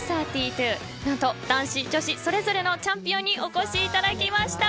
なんと男子、女子それぞれのチャンピオンにお越しいただきました。